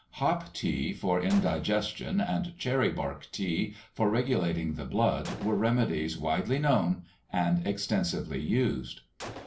Hop tea for indigestion and cherry bark tea for regulating the blood were remedies widely known and extensively used.